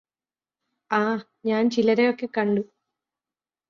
ആ ഞാന് ചിലരെയൊക്കെ കണ്ടു